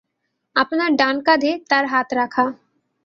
আপনার ডান কাঁধে তার হাত রাখা।